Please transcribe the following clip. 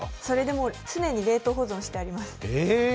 それで常に冷凍保存してあります。